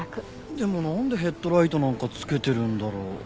でもなんでヘッドライトなんかつけてるんだろう？